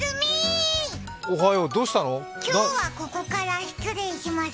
あーずみー、今日はここから失礼します。